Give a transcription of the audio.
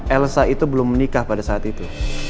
elsa itu belum menikah pada saat itu